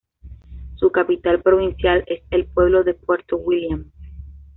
Su capital provincial es el pueblo de Puerto Williams.